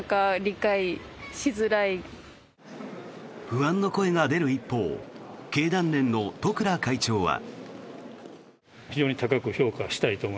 不安の声が出る一方経団連の十倉会長は。